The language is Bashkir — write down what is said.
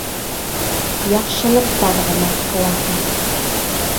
Яҡшылыҡтар ғына ҡылаһы.